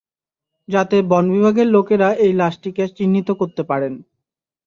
যাতে বন বিভাগের লোকেরা এই লাশটিকে চিহ্নিত করতে পারেন।